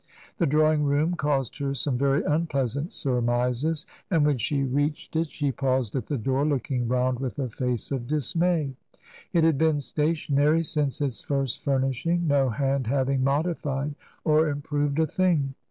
The drawing room caused her some very unpleasant surmises, and when she reached it she paused at the door, looking round with a face of dismay. It had been stationary since its first furnish ing, no hand having modified or improved a thing.